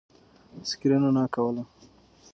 سکرین رڼا کوله.